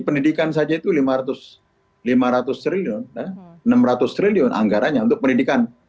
pendidikan saja itu lima ratus triliun enam ratus triliun anggaranya untuk pendidikan